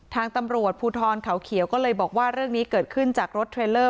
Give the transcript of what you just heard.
ทางตำรวจภูทรเขาเขียวก็เลยบอกว่าเรื่องนี้เกิดขึ้นจากรถเทรลเลอร์